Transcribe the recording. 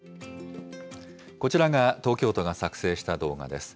こちらが東京都が作成した動画です。